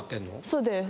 そうです。